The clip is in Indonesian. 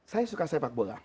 saya suka sepak bola